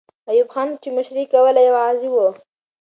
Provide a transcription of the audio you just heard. ایوب خان چې مشري یې کوله، یو غازی وو.